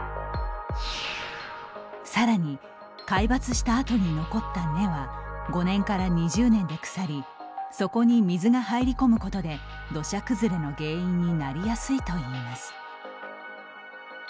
さらに、皆伐したあとに残った根は５年から２０年で腐りそこに水が入り込むことで土砂崩れの原因になりやすいといいます。